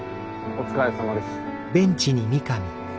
お疲れさまです。